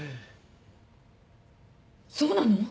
そうなの？